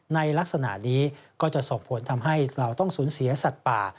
ในลักษณะนี้ก็จะส่งผลทำให้เราต้องสูญเสียสัตว์ป่า